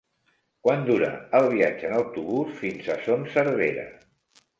Quant dura el viatge en autobús fins a Son Servera?